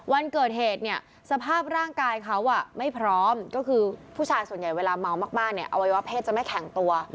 วันเกิดเหตุเนี่ยสภาพร่างกายเขาไม่พร้อมก็คือผู้ชายส่วนใหญ่เวลาเมามากเนี่ยอวัยวะเพศจะไม่แข็งตัว